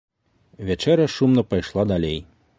Вячэра шумна пайшла далей.